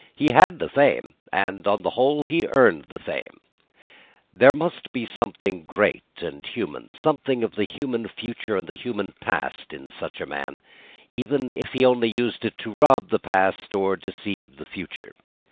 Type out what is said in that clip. He had the fame; and, on the whole, he earned the fame. There must have been something great and human, something of the human future and the human past, in such a man: even if he only used it to rob the past or deceive the future.